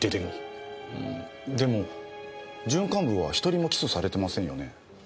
でも準幹部は１人も起訴されてませんよね。